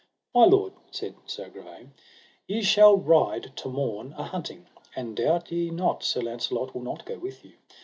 My lord, said Sir Agravaine, ye shall ride to morn a hunting, and doubt ye not Sir Launcelot will not go with you.